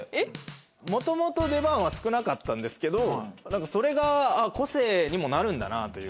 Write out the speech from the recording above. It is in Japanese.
元々出番は少なかったんですけどそれが個性にもなるんだなという。